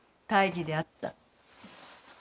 大儀であった。